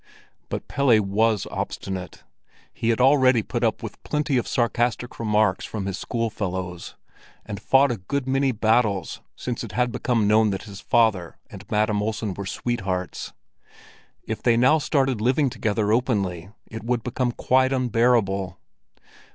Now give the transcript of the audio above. But Pelle was obstinate. He had already put up with plenty of sarcastic remarks from his schoolfellows, and fought a good many battles since it had become known that his father and Madam Olsen were sweethearts. If they now started living together openly, it would become quite unbearable.